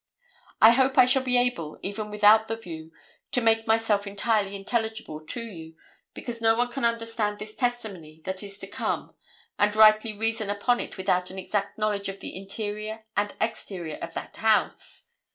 I hope I shall be able, even without the view, to make myself entirely intelligible to you, because no one can understand this testimony that is to come and rightly reason upon it without an exact knowledge of the interior and exterior of that house.